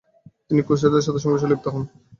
তিনি ক্রুসেডারদের সাথে সংঘর্ষে লিপ্ত হন।